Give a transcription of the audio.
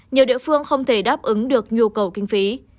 nhiều địa phương không thể đáp ứng được nhu cầu kinh phí